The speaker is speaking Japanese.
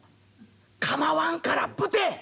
「構わんからぶて！」。